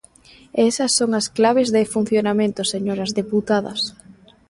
E esas son as claves de funcionamento, señoras deputadas.